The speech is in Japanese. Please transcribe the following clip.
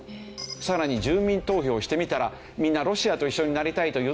さらに住民投票してみたらみんなロシアと一緒になりたいと言ってた。